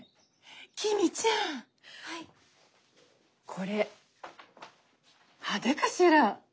これ派手かしら？